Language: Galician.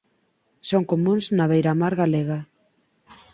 Son comúns na beiramar galega.